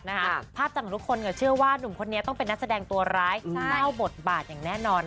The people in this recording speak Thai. ภาพจากทุกคนเชื่อว่านุ่มคนนี้ต้องเป็นนักแสดงตัวร้ายเล่าบทบาทอย่างแน่นอน